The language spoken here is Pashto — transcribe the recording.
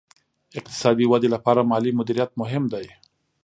اقتصادي ودې لپاره مالي مدیریت مهم دی.